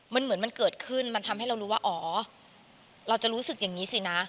มันเหมือนมันเกิดขึ้นมันทำให้เรารู้ว่าอ๋อเราจะรู้สึกอย่างนี้สินะ